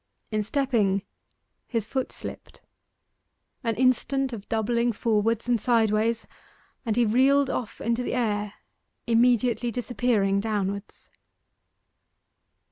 In stepping, his foot slipped. An instant of doubling forward and sideways, and he reeled off into the air, immediately disappearing downwards.